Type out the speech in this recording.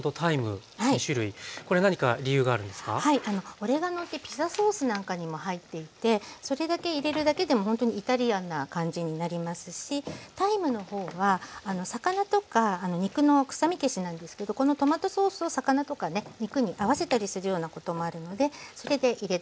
オレガノってピザソースなんかにも入っていてそれだけ入れるだけでもほんとにイタリアンな感じになりますしタイムの方は魚とか肉の臭み消しなんですけどこのトマトソースを魚とかね肉に合わせたりするようなこともあるのでそれで入れてます。